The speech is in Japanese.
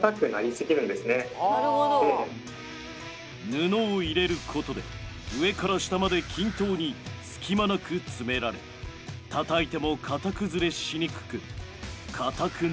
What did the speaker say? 布を入れることで上から下まで均等に隙間なく詰められたたいても型崩れしにくく固くなりすぎないんだとか。